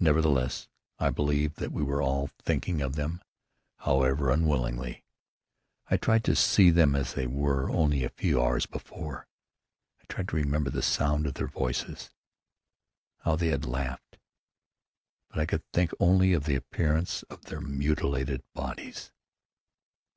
Nevertheless, I believe that we were all thinking of them, however unwillingly. I tried to see them as they were only a few hours before. I tried to remember the sound of their voices, how they had laughed; but I could think only of the appearance of their mutilated bodies.